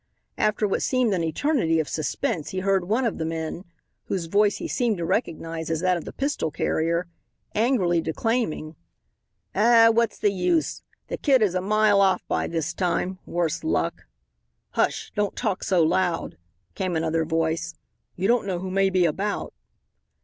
After what seemed an eternity of suspense he heard one of the men, whose voice he seemed to recognize as that of the pistol carrier, angrily declaiming. "Aw, what's ther use, ther kid is a mile off by this time, worse luck." "Hush, don't talk so loud," came another voice. "You don't know who may be about."